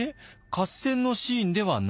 合戦のシーンではない？